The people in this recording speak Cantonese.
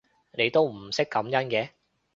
你都唔識感恩嘅